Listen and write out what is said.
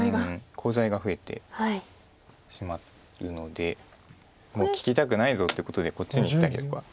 コウ材が増えてしまうのでもう利きたくないぞってことでこっちにいったりとか。